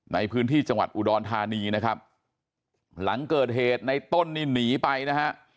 ในพื้นที่จังหวัดอุดรธานีนะครับหลังเกิดเหตุในต้นนี่หนีไปนะฮะ